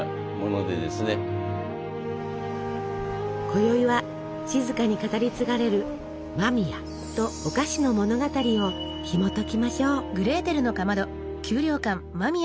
こよいは静かに語り継がれる間宮とお菓子の物語をひもときましょう。